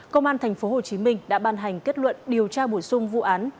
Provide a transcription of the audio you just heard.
công an tp hcm đã ban hành kết luận điều tra bổ sung vụ án